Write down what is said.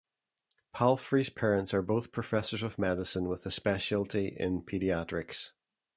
Palfrey's parents are both professors of medicine with a specialty in pediatrics.